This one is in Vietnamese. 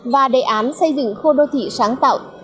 và đề án xây dựng khu đô thị sáng tạo